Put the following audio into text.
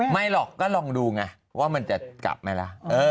ไม่หรอกก็ลองดูไงว่ามันจะกลับไหมล่ะ